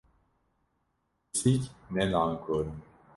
Pisîk, ne nankor in!